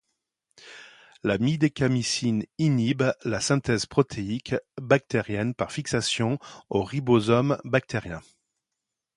La midécamycine inhibe la synthèse protéique bactérienne par fixation au ribosome bactérien.